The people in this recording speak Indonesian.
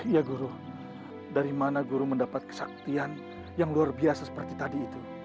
ya guru dari mana guru mendapat kesaktian yang luar biasa seperti tadi itu